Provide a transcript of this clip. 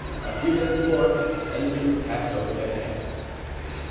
A few minutes more and the troop passed over their heads.